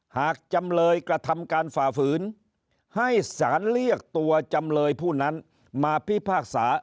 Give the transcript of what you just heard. จำเลยกระทำการฝ่าฝืนให้สารเรียกตัวจำเลยผู้นั้นมาพิพากษา